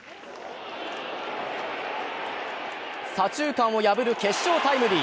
左中間を破る決勝タイムリー。